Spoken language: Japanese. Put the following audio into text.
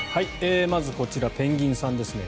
まずこちらペンギンさんですね。